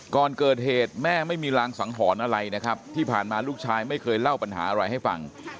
ก่อนเกิดเหตุแม่ไม่มีรางสังหรณ์อะไรนะครับที่ผ่านมาลูกชายไม่เคยเล่าปัญหาอะไรให้ฟัง